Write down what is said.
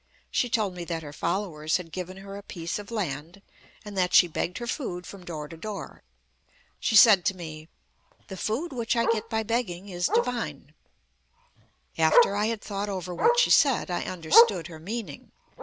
She told me that her followers had given her a piece of land, and that she begged her food from door to door. She said to me: "The food which I get by begging is divine." After I had thought over what she said, I understood her meaning.